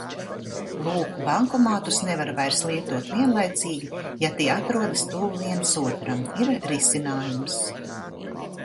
Lūk, bankomātus nevar vairs lietot vienlaicīgi, ja tie atrodas tuvu viens otram. Ir risinājums.